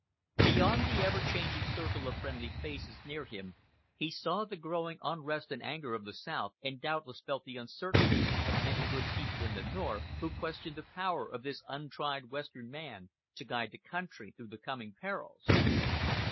Beyond the ever changing circle of friendly faces near him he saw the growing unrest and anger of the South, and doubtless felt the uncertainty of many good people in the North, who questioned the power of this untried Western man to guide the country through the coming perils.